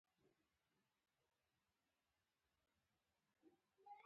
هغه وايي انوشیروان د مزدک لارویانو ته مېلمستیا وکړه.